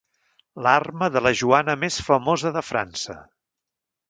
L'arma de la Joana més famosa de França.